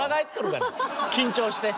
緊張して。